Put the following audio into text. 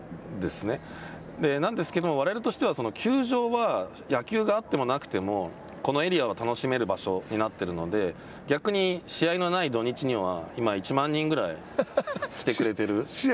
球場は、野球があってもなくても、このエリアは楽しめる場所になっているので、逆に、試合のない土日には、今、１万人ぐらい来てくれている。